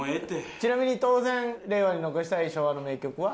ちなみに当然令和に残したい昭和の名曲は？